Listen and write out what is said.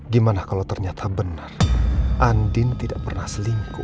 gimana kalau ternyata benar andin tidak pernah selingkuh